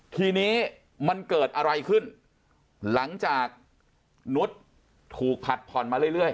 ทีนี้มันเกิดอะไรขึ้นหลังจากนุษย์ถูกผัดผ่อนมาเรื่อย